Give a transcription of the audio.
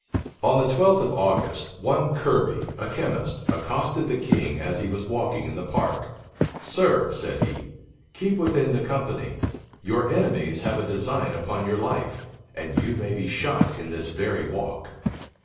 On the twelfth of August, one Kirby, a chemist, accosted the king as he was walking in the park. "Sir," said he, "keep within the company: your enemies have a design upon your life; and you may be shot in this very walk."